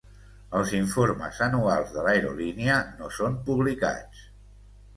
Els informes anuals de l'aerolínia no són publicats.